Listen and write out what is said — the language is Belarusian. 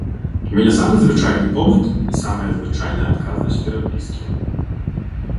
У мяне самы звычайны побыт і самая звычайная адказнасць перад блізкімі.